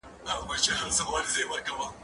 زه بايد کتابونه وړم؟!